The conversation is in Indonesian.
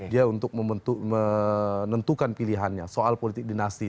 dia untuk menentukan pilihannya soal politik dinasti